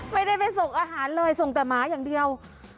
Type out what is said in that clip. ไม่ได้ไปส่งอาหารเลยส่งแต่หมาอย่างเดียว